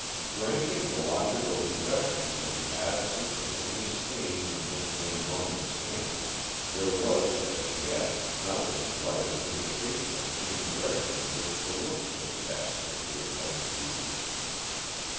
Granting the logical deduction from the absence of any stain on Miss Van Norman's hands, there was, as yet, not the slightest indication of any direction in which to look for the dastard who had done the deed.